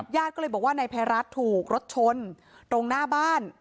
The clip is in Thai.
ญาติก็เลยบอกว่านายภัยรัฐถูกรถชนตรงหน้าบ้าน